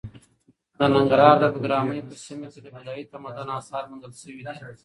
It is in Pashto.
د ننګرهار د بګراميو په سیمه کې د بودايي تمدن اثار موندل شوي دي.